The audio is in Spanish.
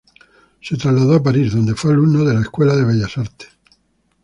Se trasladó a París, donde fue alumno en la Escuela de Bellas Artes.